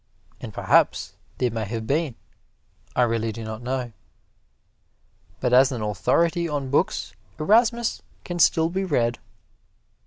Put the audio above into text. And perhaps they may have been I really do not know. But as an authority on books Erasmus can still be read.